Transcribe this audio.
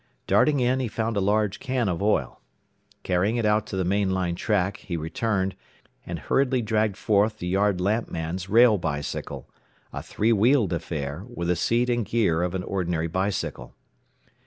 Darting in, he found a large can of oil. Carrying it out to the main line track, he returned, and hurriedly dragged forth the yard lamp man's rail bicycle a three wheeled affair, with the seat and gear of an ordinary bicycle.